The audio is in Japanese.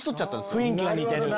雰囲気が似てる。